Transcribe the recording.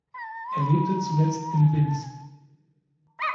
Er lebte zuletzt in Binz.